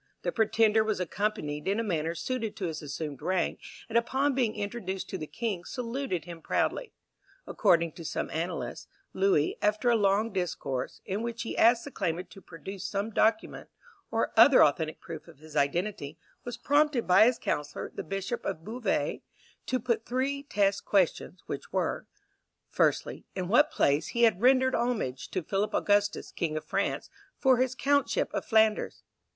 The pretender was accompanied in a manner suited to his assumed rank, and upon being introduced to the king saluted him proudly. According to some annalists, Louis, after a long discourse, in which he asked the claimant to produce some document, or other authentic proof of his identity, was prompted by his counsellor, the Bishop of Beauvais, to put three test questions, which were: "Firstly, In what place he had rendered homage to Philip Augustus, King of France, for his Countship of Flanders?